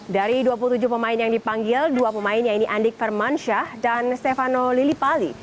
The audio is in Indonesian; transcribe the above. dari dua puluh tujuh pemain yang dipanggil dua pemain yaitu andik firmansyah dan stefano lilipali